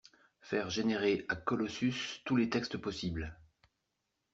faire générer à Colossus tous les textes possibles